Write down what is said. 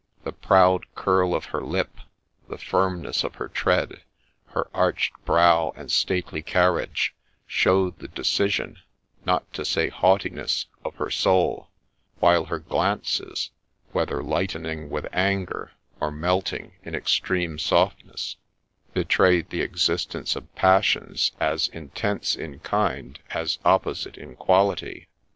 The proud curl of her lip, the firmness of her tread, her arched brow and stately carriage, showed the deci sion, not to say haughtiness, of her soul ; while her glances, whether lightening with anger, or melting in extreme softness, betrayed the existence of passions as intense in kind as opposite in quality.